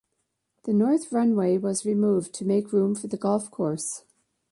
The north runway was removed to make room for the golf course.